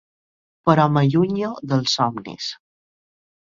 Però m'allunyo dels somnis.